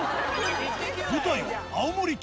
舞台は青森県。